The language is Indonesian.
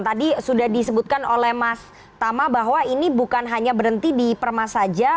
tadi sudah disebutkan oleh mas tama bahwa ini bukan hanya berhenti di permas saja